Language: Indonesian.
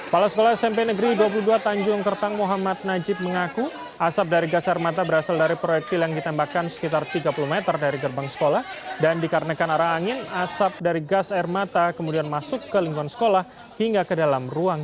pala sekolah smp negeri dua puluh dua tanjung kertang muhammad najib mengaku asap dari gas air mata berasal dari proyektil yang ditembakkan sekitar tiga puluh meter dari gerbang sekolah dan dikarenakan arah angin asap dari gas air mata kemudian masuk ke lingkungan sekolah hingga ke dalam ruangan